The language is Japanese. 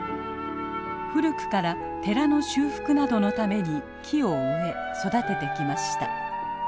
古くから寺の修復などのために木を植え育ててきました。